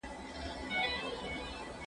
زه له سهاره کتابتوننۍ سره وخت تېرووم!!